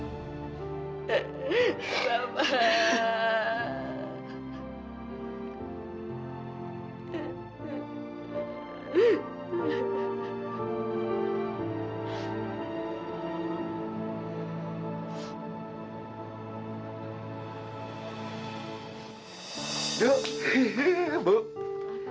bapak bawa kabar gembira buat kamu